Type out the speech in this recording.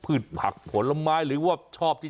ยืนยันว่าม่อข้าวมาแกงลิงทั้งสองชนิด